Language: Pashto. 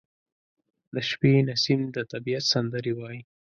• د شپې نسیم د طبیعت سندرې وايي.